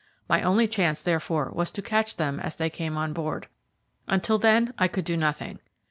My only chance, therefore, was to catch them as they came on board. Until then I could do nothing.